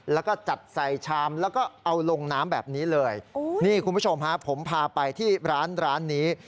แล้วก็จัดใส่ชามแล้วก็เอาลงน้ำแบบนี้เลยนี่คุณผู้ชมฮะผมพาไปที่ร้านร้านนี้